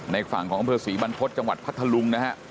ในฝั่งของข้างพื้นที่ศรีบรรพฤตจังหวัดพัทธลุงนะฮะ